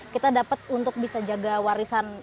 kita dapat untuk bisa jaga warisan